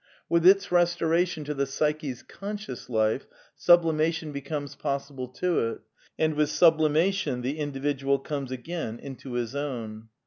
With its restoration to the psyche's conscious life sublima tion becomes possible to it. And with sublimation the in dividual comes again into his own.